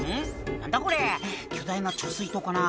何だこれ巨大な貯水塔かな？